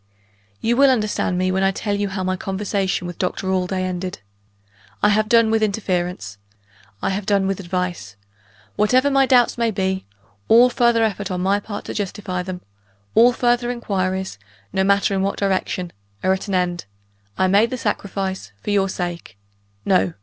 "You will understand me when I tell you how my conversation with Doctor Allday ended. I have done with interference; I have done with advice. Whatever my doubts may be, all further effort on my part to justify them all further inquiries, no matter in what direction are at an end: I made the sacrifice, for your sake. No!